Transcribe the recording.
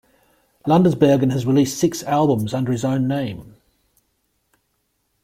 Landesbergen has released six albums under his own name.